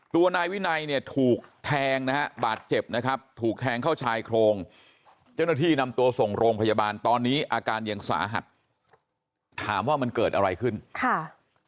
ถามว่ามันเกิดอะไรขึ้นค่ะ